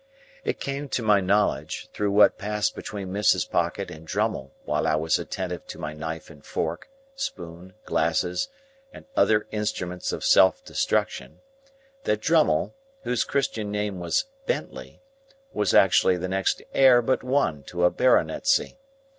It came to my knowledge, through what passed between Mrs. Pocket and Drummle while I was attentive to my knife and fork, spoon, glasses, and other instruments of self destruction, that Drummle, whose Christian name was Bentley, was actually the next heir but one to a baronetcy.